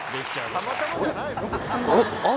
たまたまじゃないの？